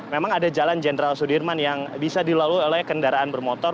memang ada jalan jenderal sudirman yang bisa dilalui oleh kendaraan bermotor